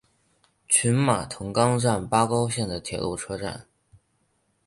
群马藤冈站八高线的铁路车站。